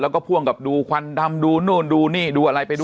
แล้วก็พ่วงกับดูควันดำดูนู่นดูนี่ดูอะไรไปดู